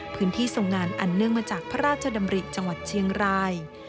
ทรงงานอันเนื่องมาจากพระราชดำริจังหวัดเชียงราย